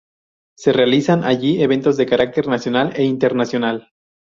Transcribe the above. Se realizan allí eventos de carácter nacional e internacional.